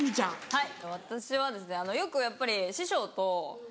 はい。